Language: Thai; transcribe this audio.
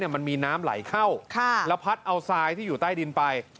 มันมีน้ำไหลเข้าแล้วพัดเอาทรายที่อยู่ใต้ดินไป